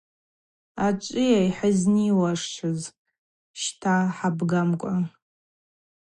Ачӏвыйа йхӏызниуашыз, щта, хӏабгамкӏва.